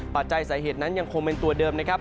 ปัจจัยสาเหตุนั้นยังคงเป็นตัวเดิมนะครับ